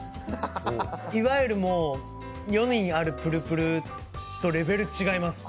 いわゆる世にあるプルプルとレベルが違います。